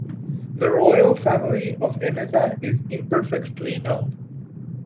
The royal family of Emesa is imperfectly known.